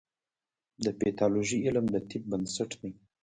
د پیتالوژي علم د طب بنسټ دی.